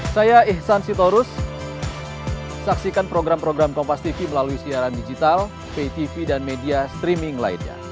saya ihsan sitorus saksikan program program kompas tv melalui siaran digital pay tv dan media streaming lainnya